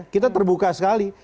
kita terbuka sekali